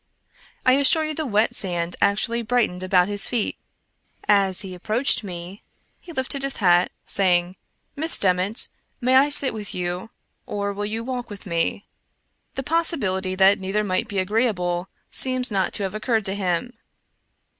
I assure you the wet sand actually brightened about his feet! As he approached me, he lifted his hat, saying :" Miss Dement, may I sit with you ?— or will you w^alk with me ?" The possibility that neither might be agreeable seems not to have occurred to him.